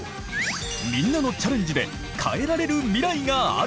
みんなのチャレンジで変えられる未来がある！